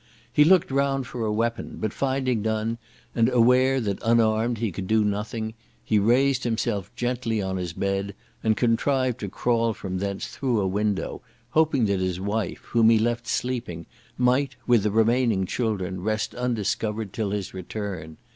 He looked round for a weapon, but finding none, and aware that unarmed he could do nothing, he raised himself gently on his bed, and contrived to crawl from thence through a window, hoping that his wife, whom he left sleeping, might with the remaining children rest undiscovered till his return.